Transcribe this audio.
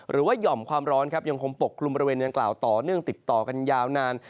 หรือว่ายอมความร้อนยังคงปกลุ่มบริเวณเนื้องกล่าวต่อเนื่องติดต่อกันยาวนาน